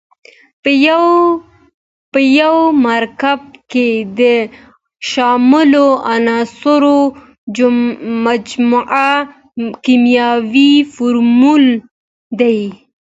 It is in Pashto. په یوه مرکب کې د شاملو عنصرونو مجموعه کیمیاوي فورمول دی.